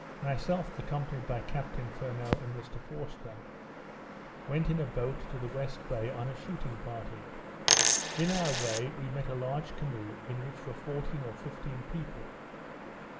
Myself, accompanied by Captain Furneaux and Mr Forster, went in a boat to the west bay on a shooting party. In our way, we met a large canoe in which were fourteen or fifteen people.